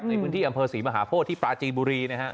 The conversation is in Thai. ในพื้นที่อำเภอศรีมหาโพธิที่ปราจีนบุรีนะครับ